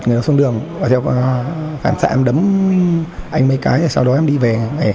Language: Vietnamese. người đó xuống đường phản xạ em đấm anh mấy cái sau đó em đi về